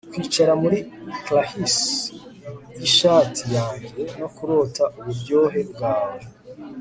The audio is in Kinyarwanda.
kwicara muri krahisi yishati yanjye, no kurota uburyohe bwawe